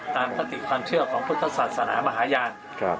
คติความเชื่อของพุทธศาสนามหาญาณ